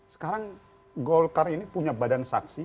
sekarang golkar ini punya badan saksi